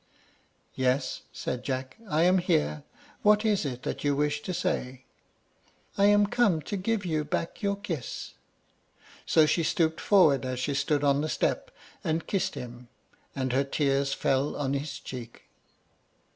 "Yes," said Jack; "I am here. What is it that you wish to say?" She answered, "I am come to give you back your kiss." So she stooped forward as she stood on the step, and kissed him, and her tears fell on his cheek.